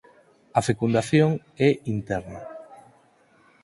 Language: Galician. A fecundación é interna.